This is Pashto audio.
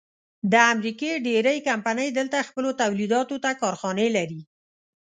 د امریکې ډېرۍ کمپنۍ دلته خپلو تولیداتو ته کارخانې لري.